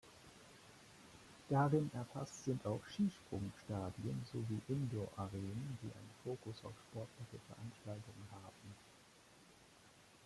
Darin erfasst sind auch Skisprung-Stadien sowie Indoor-Arenen die einen Fokus auf sportliche Veranstaltungen haben.